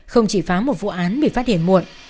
không chỉ phá một vụ án bị phát hiện muộn